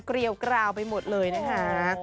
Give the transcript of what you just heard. เรียวกราวไปหมดเลยนะคะ